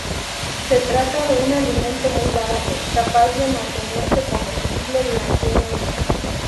Se trata de un alimento muy barato, capaz de mantenerse comestible durante un año.